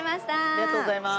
ありがとうございます。